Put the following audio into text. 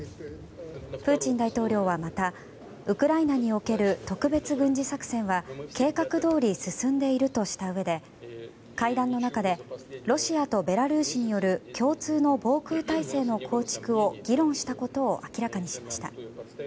プーチン大統領はまたウクライナにおける特別軍事作戦は計画どおり進んでいるとしたうえで会談の中でロシアとベラルーシによる共通の防空体制の構築を議論したことを明らかにしました。